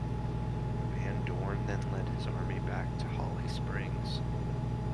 Van Dorn then led his army back to Holly Springs.